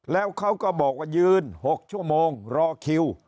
แล้วเขาก็บอกว่ายืน๖ชั่วโมงรอคิว